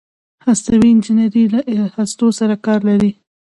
هستوي انجنیری له هستو سره کار لري.